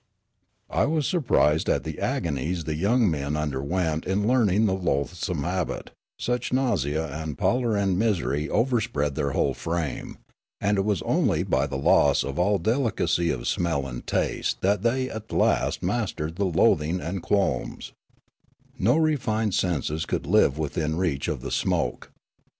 I was surprised at the agonies the young men under went in learning the loathsome habit, such nausea and pallor and misery overspread their whole frame; and it was only by the loss of all delicacy of smell and taste that they at last mastered the loathing and qualms; no refined senses could live within reach of the smoke.